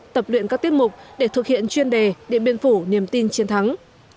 tập luyện các tiết mục để thực hiện chuyên đề điện biên phủ niềm tin chiến thắng